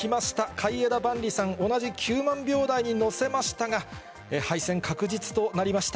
海江田万里さん、同じ９万票台に乗せましたが、敗戦確実となりました。